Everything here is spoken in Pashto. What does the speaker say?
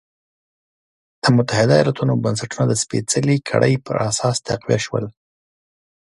د متحده ایالتونو بنسټونه د سپېڅلې کړۍ پر اساس تقویه شول.